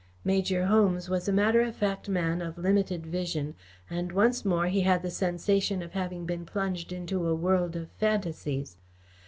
Major Holmes was a matter of fact man of limited vision, and once more he had the sensation of having been plunged into a world of phantasies.